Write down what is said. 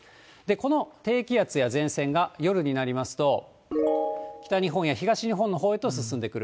この低気圧や前線が夜になりますと、北日本や東日本のほうへと進んでくる。